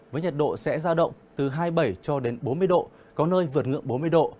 với nhiệt độ sẽ ra động từ hai mươi bảy cho đến bốn mươi độ có nơi vượt ngưỡng bốn mươi độ